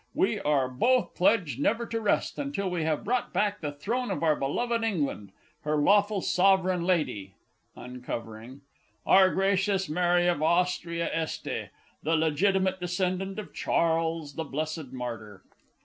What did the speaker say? We are both pledged never to rest until we have brought back to the throne of our beloved England, her lawful sovereign lady (uncovering) our gracious Mary of Austria Este, the legitimate descendant of Charles the Blessed Martyr!